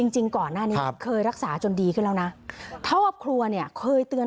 จริงก่อนหน้านี้เคยรักษาจนดีขึ้นแล้วนะเท่ากับครัวเนี่ยเคยเตือน